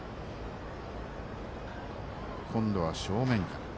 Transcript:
今度は正面から。